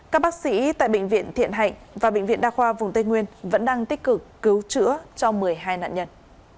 các bác sĩ tại bệnh viện thiện hạnh và bệnh viện đa khoa vùng tây nguyên vẫn đang tích cực cứu chữa cho một mươi hai nạn nhân